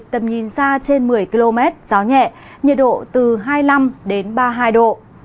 tầm nhìn xa trên một mươi km gió nhẹ nhiệt độ từ hai mươi năm đến ba mươi hai độ